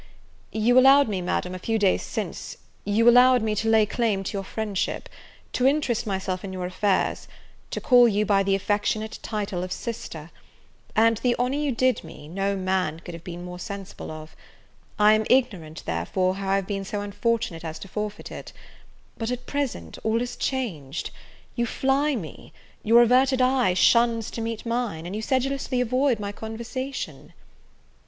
"You allowed me, Madam, a few days since, you allowed me to lay claim to your friendship, to interest myself in your affairs, to call you by the affectionate title of sister; and the honour you did me, no man could have been more sensible of; I am ignorant, therefore, how I have been so unfortunate as to forfeit it: but, at present, all is changed! you fly me, your averted eye shuns to meet mine, and you sedulously avoid my conversation."